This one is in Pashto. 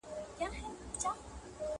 عمر تېر سو پاچا زوړ نیوي کلن سو٫